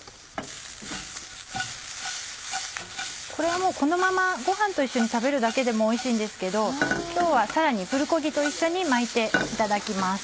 これはもうこのままご飯と一緒に食べるだけでもおいしいんですけど今日はさらにプルコギと一緒に巻いていただきます。